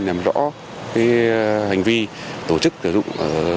làm rõ hành vi tổ chức sử dụng